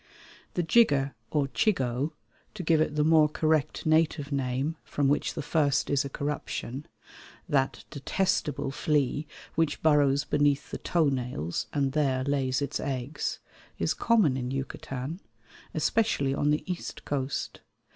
The jigger or chigoe (to give it the more correct native name from which the first is a corruption), that detestable flea which burrows beneath the toenails and there lays its eggs, is common in Yucatan, especially on the east coast.